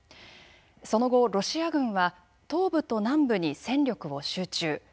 その後、ロシア軍は東部と南部に戦力を集中。